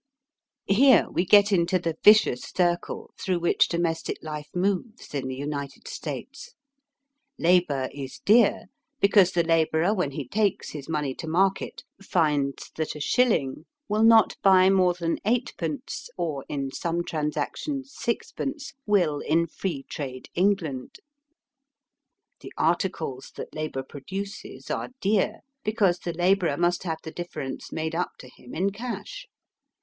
Here we get into the vicious circle through, which domestic life moves in the United States. Labour is dear because the labourer when he takes his money to market finds that a shilling will not buy more than eight pence, or in some transactions sixpence, will in Free Trade England. The articles that labour produces are dear because the labourer must have the difference made up to him in cash.